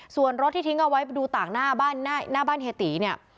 ส่วนรถที่ทิ้งเอาไว้ดูต่างหน้าบ้านเฮตีเนี่ย